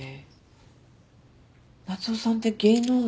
夏雄さんって芸能人？